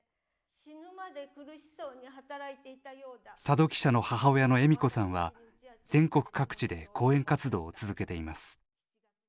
佐戸記者の母親の恵美子さんは全国各地で講演活動を続けています。